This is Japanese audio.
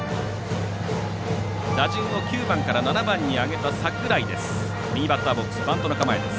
打順を９番から７番に上げた櫻井です。